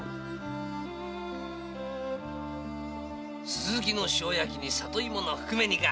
スズキの塩焼きに里芋の含め煮か。